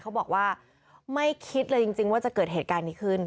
เขาบอกว่าไม่คิดเลยจริงว่าจะเกิดเหตุการณ์นี้ขึ้น